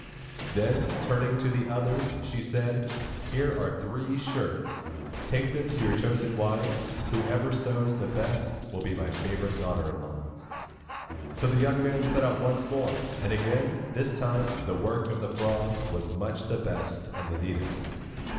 Then, turning to the others, she said: 'Here are three shirts; take them to your chosen wives. Whoever sews the best will be my favourite daughter in law.' So the young men set out once more; and again, this time, the work of the frog was much the best and the neatest.